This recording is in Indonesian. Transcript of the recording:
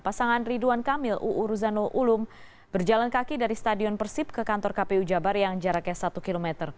pasangan ridwan kamil uu ruzano ulum berjalan kaki dari stadion persib ke kantor kpu jabar yang jaraknya satu km